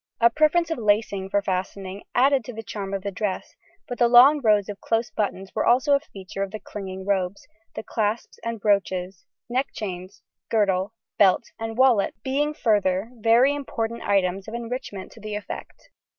A preference of lacing for fastening added to the charm of the dress, but the long rows of close buttons were also a feature of the clinging robes, the clasps and brooches, neck chains, girdle, belt, and wallet being further very important items of enrichment to the effect.